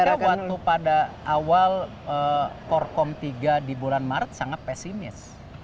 kita waktu pada awal korkom tiga di bulan maret sangat pesimis